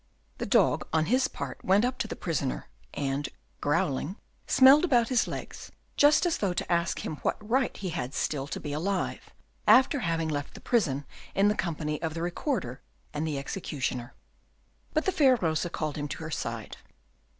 The dog, on his part, went up to the prisoner, and, growling, smelled about his legs just as though to ask him what right he had still to be alive, after having left the prison in the company of the Recorder and the executioner. But the fair Rosa called him to her side.